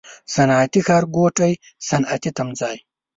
صنعتي ښارګوټی، صنعتي تمځای